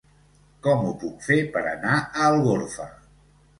Com ho puc fer per anar a Algorfa?